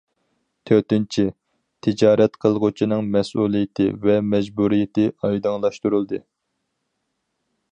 تۆتىنچى، تىجارەت قىلغۇچىنىڭ مەسئۇلىيىتى ۋە مەجبۇرىيىتى ئايدىڭلاشتۇرۇلدى.